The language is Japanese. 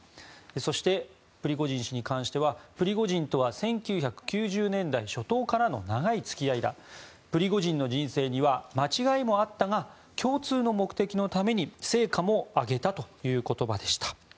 そしてプリゴジン氏に関してはプリゴジンとは１９９０年代初頭からの長い付き合いだプリゴジンの人生には間違いもあったが共通の目的のために成果も挙げたという言葉でした。